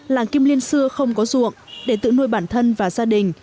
làng kim liên xưa không có ruộng để tự nuôi bản thân và gia đình